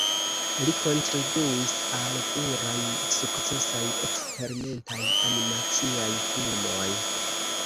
Li kontribuis al pluraj sukcesaj eksperimentaj animaciaj filmoj.